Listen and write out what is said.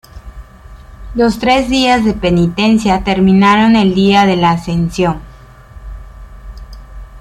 Los tres días de penitencia terminaron el día de la Ascensión.